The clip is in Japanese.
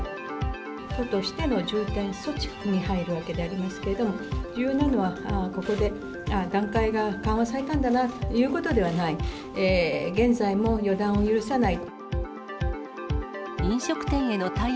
都としての重点措置に入るわけでありますけれども、重要なのは、ここで段階が緩和されたんだなということではない、現在も予断を許さない。